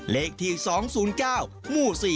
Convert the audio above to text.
เลขที่๒๐๙หมู่๔